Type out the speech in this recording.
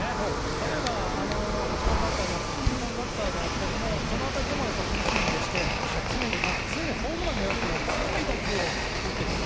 例えば８番バッターや９番バッターその辺りでもフルスイングして常にホームランを狙うというよりは強い打球を打ってくる。